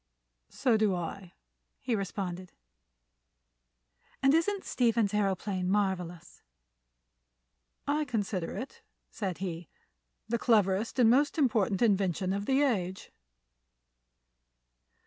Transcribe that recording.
"So do I," he responded. "And isn't Stephen's aëroplane marvelous?" "I consider it," said he, "the cleverest and most important invention of the age."